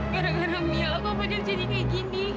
gara gara milah pak fadil jadi kayak gini